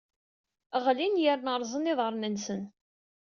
Ɣlin yerna rrẓen yiḍarren-nsen.